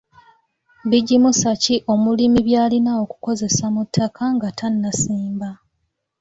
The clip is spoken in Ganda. Bigimusa ki omulimi by'alina okukozesa mu ttaka nga tannasimba?